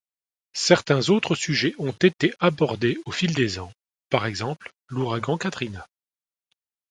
Certains autres sujets ont été abordés au fil des ans, par exemple l'ouragan Katrina.